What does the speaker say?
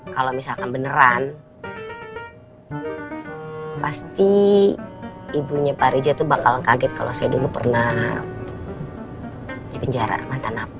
kalau misalkan beneran pasti ibunya pak rija tuh bakal kaget kalau saya dulu pernah di penjara mantan api